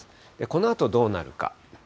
このあとどうなるか。